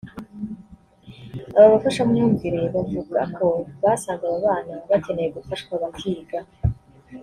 Aba bafashamyumvire bavuga ko basanze aba bana bakeneye gufashwa bakiga